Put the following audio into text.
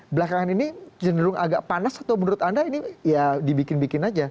belakangan ini cenderung agak panas atau menurut anda ini ya dibikin bikin aja